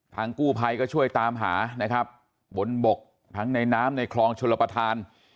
กู้ภัยก็ช่วยตามหานะครับบนบกทั้งในน้ำในคลองชลประธาน